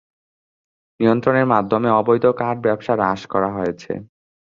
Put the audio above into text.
নিয়ন্ত্রণের মাধ্যমে অবৈধ কাঠ ব্যবসা হ্রাস করা হয়েছে।